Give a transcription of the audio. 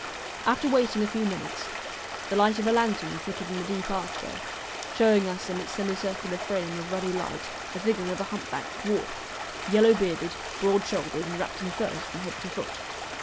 After waiting a few minutes the light of a lantern flickered in the deep archway, showing us in its semicircular frame of ruddy light the figure of a humpbacked dwarf, yellow bearded, broad shouldered, and wrapped in furs from head to foot.